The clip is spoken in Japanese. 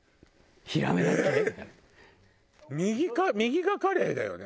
右右がカレイだよね？